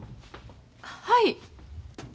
はい。